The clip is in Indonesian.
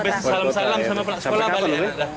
habis salam salam sama sekolah bali ya